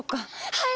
はい！